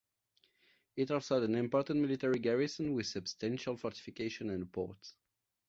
It also had an important military garrison with substantial fortifications and a port.